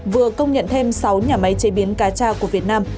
vừa công nhận thêm sáu nhà máy chế biến cà tra của việt nam